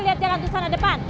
lihat jalan tuh sana depan